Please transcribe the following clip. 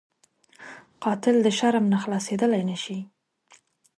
قاتل د شرم نه خلاصېدلی نه شي